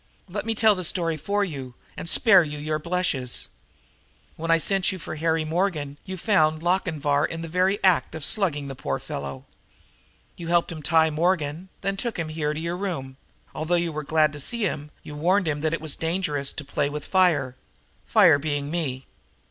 "Let me tell the story for you and spare your blushes. When I sent you for Harry Morgan you found Lochinvar in the very act of slugging the poor fellow. You helped him tie Morgan; then you took him here to your room; although you were glad to see him, you warned him that it was dangerous to play with fire fire being me.